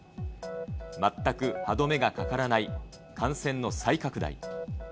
全く歯止めがかからない感染の再拡大。